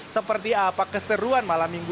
seperti apa keseruan malam minggu